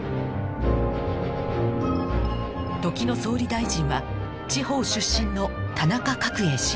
時の総理大臣は地方出身の田中角榮氏